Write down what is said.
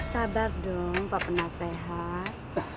sabar dong pak penasehat